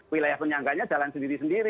wilayah penyangganya jalan sendiri sendiri